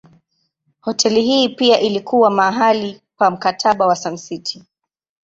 Hoteli hii pia ilikuwa mahali pa Mkataba wa Sun City.